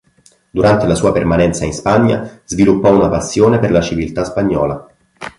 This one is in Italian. Durante la sua permanenza in Spagna, sviluppò una passione per la civiltà spagnola.